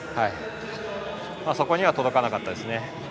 そこには届かなかったですね。